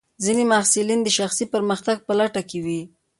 ځینې محصلین د شخصي پرمختګ په لټه کې وي.